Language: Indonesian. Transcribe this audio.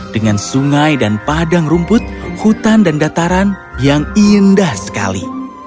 dengan sungai dan padang rumput hutan dan dataran yang indah sekali